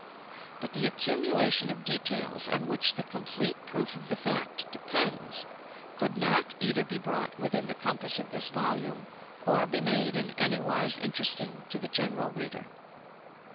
But the accumulation of details on which the complete proof of the fact depends, could not either be brought within the compass of this volume, or be made in anywise interesting to the general reader.